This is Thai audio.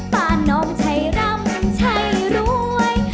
น้องชัยรำชัยรวย